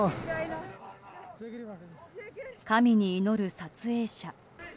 神に祈る撮影者。